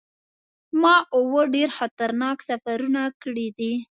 ما اووه ډیر خطرناک سفرونه کړي دي.